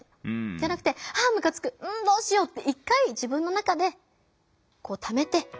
じゃなくて「あむかつく！んどうしよう」って一回自分の中でためて自分と会話する。